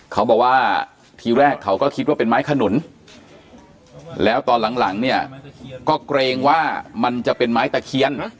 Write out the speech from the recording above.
เขาบอกว่าทีแรกเขาก็คิดว่าเป็นไม้ขนุนแล้วตอนหลังเนี่ยก็เกรงว่ามันจะเป็นไม้ตะเคียน